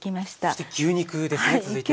そして牛肉ですね続いては。